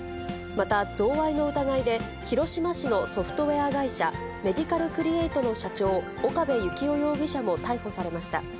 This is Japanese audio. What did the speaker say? また贈賄の疑いで、広島市のソフトウエア会社、メディカルクリエイトの社長、岡部幸夫容疑者も逮捕されました。